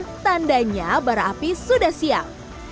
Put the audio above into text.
dan tandanya bara api sudah siap